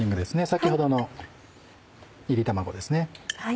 先ほどの炒り卵ですね。